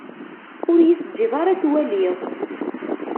Ur yi-teǧǧiḍ ara ad t-waliɣ.